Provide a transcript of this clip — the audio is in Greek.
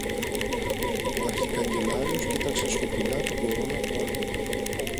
Ο αρχικαγκελάριος κοίταξε σιωπηλά την κορώνα του Άρχοντα